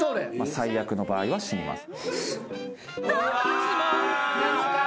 最悪の場合は死にます。